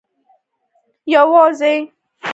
یوازي